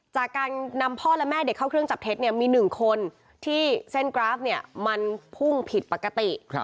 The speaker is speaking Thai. จากการนำพ่อและแม่เด็กเข้าเครื่องจับเท็จเนี่ยมี๑คนที่เส้นกราฟเนี่ยมันพุ่งผิดปกติ